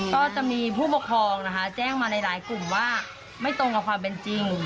ก็จะมีผู้ปกครองนะคะแจ้งมาหลายกลุ่มว่าไม่ตรงกับความเป็นจริง